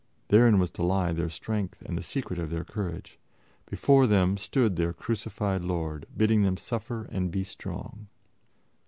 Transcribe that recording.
Therein was to lie their strength and the secret of their courage; before them stood their crucified Lord, bidding them suffer and be strong.